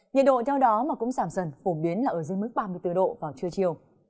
nhiệt độ theo đó mà cũng giảm dần phổ biến là ở dưới mức ba mươi bốn độ vào trưa chiều